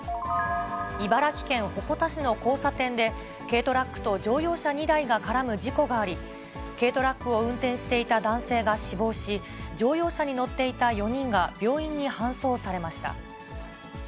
茨城県鉾田市の交差点で、軽トラックと乗用車２台が絡む事故があり、軽トラックを運転していた男性が死亡し、乗用車に乗っていた４人が病院に搬送されました。